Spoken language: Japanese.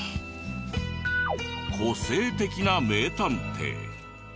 個性的な名探偵。